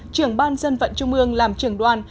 trưởng ban dân vận trung ương làm trưởng đoàn